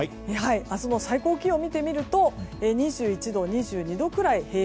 明日の最高気温を見てみると平野部で２１度、２２度くらい。